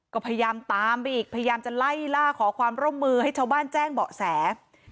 ก็พยายามตามไปอีกพยายามจะไล่ล่าขอความร่วมมือให้ชาวบ้านแจ้งเบาะแส